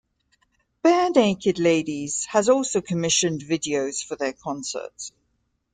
Barenaked Ladies has also commissioned videos for their concerts.